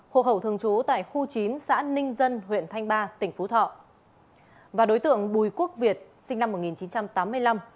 hộ khẩu thường trú tại khu chín xã ninh dân huyện thanh ba tỉnh phú thọ và đối tượng bùi quốc việt sinh năm một nghìn chín trăm tám mươi năm